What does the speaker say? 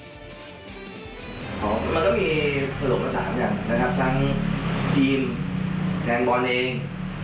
เราก็มีผลกระสามอย่างนะครับทั้งทีมแทงบอลเอง